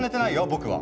僕は！